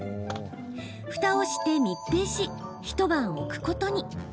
ふたをして密閉し一晩、置くことに。